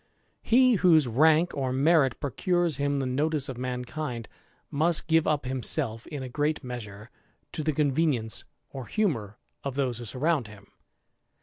He whose rank or merit procures him the notice of mankind must give up himself, in a great measure, to tk convenience or humour of those who surround him.